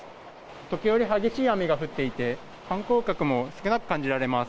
時折激しい雨が降っていて、観光客も少なく感じられます。